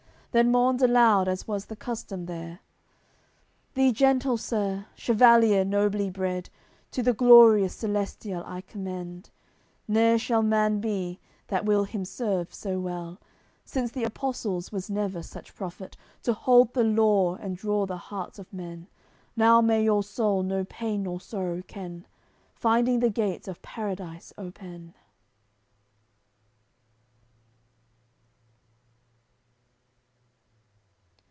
Then mourns aloud, as was the custom there: "Thee, gentle sir, chevalier nobly bred, To the Glorious Celestial I commend; Neer shall man be, that will Him serve so well; Since the Apostles was never such prophet, To hold the laws and draw the hearts of men. Now may your soul no pain nor sorrow ken, Finding the gates of Paradise open!"